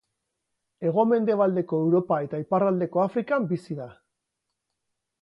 Hego-mendebaldeko Europa eta iparraldeko Afrikan bizi da.